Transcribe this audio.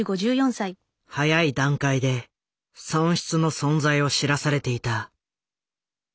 早い段階で損失の存在を知らされていた。